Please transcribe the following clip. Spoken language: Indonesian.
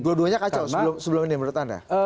dua duanya kacau sebelum ini menurut anda